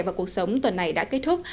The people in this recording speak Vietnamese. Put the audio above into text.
và cuộc sống tuần này đã kết thúc